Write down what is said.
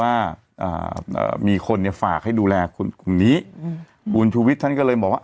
ว่าอ่ามีคนเนี่ยฝากให้ดูแลคุณกลุ่มนี้อืมคุณชูวิทย์ท่านก็เลยบอกว่า